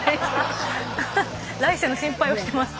来世の心配をしてますね。